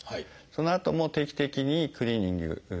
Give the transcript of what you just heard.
そのあとも定期的にクリーニングメンテナンス